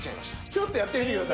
ちょっとやってみてください。